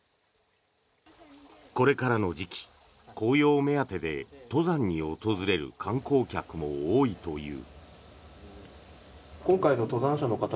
これからの時期、紅葉目当てで登山に訪れる観光客も多いという。